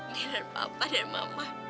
dengan papa dan mama